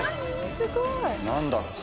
すごい。何だって？